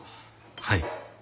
はい。